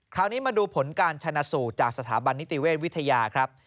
คราวนี้มาดูผลการชนะสูตรจากสถาบันนิติเวชวิทยาครับ